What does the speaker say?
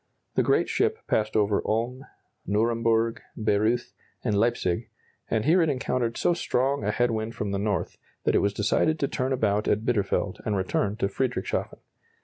The great ship passed over Ulm, Nuremburg, Bayreuth, and Leipzig; and here it encountered so strong a head wind from the north, that it was decided to turn about at Bitterfeld and return to Friedrichshafen.